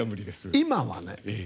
今はね